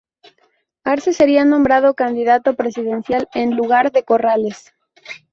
Arce sería nombrado candidato presidencial en lugar de Corrales.